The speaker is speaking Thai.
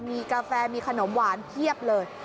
มีกาแฟมีขนมหวานเพียบเลย